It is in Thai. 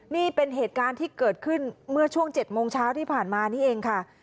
นี่เป็นเหตุการณ์ที่เกิดขึ้นเมื่อช่วง๗โมงเช้าที่ผ่านมานี่เองค่ะ